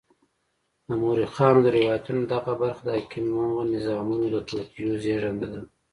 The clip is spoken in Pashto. د مورخانو د روایتونو دغه برخه د حاکمو نظامونو د توطیو زېږنده ده.